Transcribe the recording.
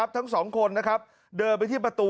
ทั้ง๒คนนะครับเดินไปที่ประตู